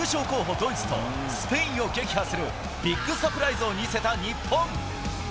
ドイツとスペインを撃破する、ビッグサプライズを見せた日本。